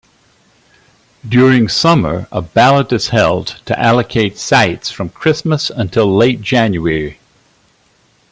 During summer a ballot is held to allocate sites from Christmas until late January.